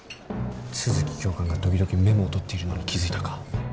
都築教官が時々メモを取っているのに気付いたか？